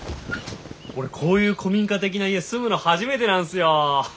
俺こういう古民家的な家住むの初めてなんすよ。